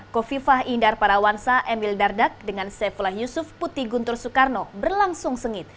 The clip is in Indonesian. kofifah indar parawansa emil dardak dengan saifullah yusuf putih guntur soekarno berlangsung sengit